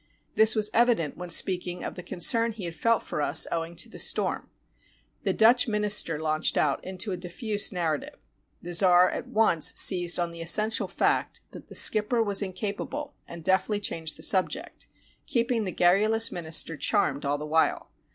This was evident when sp>eaking of the concern he had felt for us owing to the storm. The Dutch minister launched out into a diffuse narrative. The czar at once seized on the essential fact that the skipper was inca pable and deftly changed the subject, keeping the garru lous minister charmed all the while.